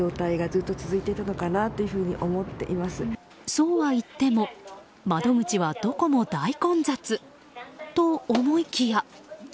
そうはいっても、窓口はどこも大混雑と思いきや。